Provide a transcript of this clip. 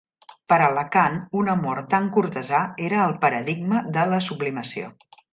Per a Lacan, un amor tan cortesà era "el paradigma de la sublimació".